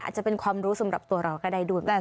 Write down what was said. อาจจะเป็นความรู้สำหรับตัวเราก็ได้ด้วย